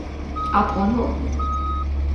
آپ کون ہو؟